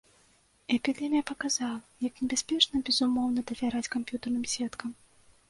Эпідэмія паказала, як небяспечна безумоўна давяраць камп'ютарным сеткам.